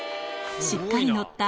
しっかりのった